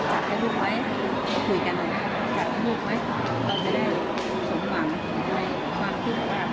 จัดให้ลูกไหมเราจะได้สมหวังในความคุยกับเขา